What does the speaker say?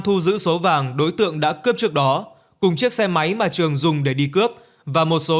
thu giữ số vàng đối tượng đã cướp trước đó cùng chiếc xe máy mà trường dùng để đi cướp và một số